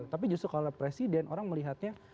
tapi justru kalau presiden orang melihatnya